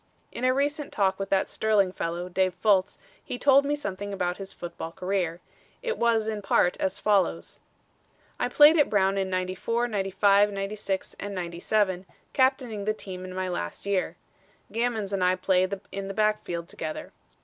In a recent talk with that sterling fellow, Dave Fultz, he told me something about his football career. It was, in part, as follows: "I played at Brown in '94, '95, '96 and '97, captaining the team in my last year. Gammons and I played in the backfield together.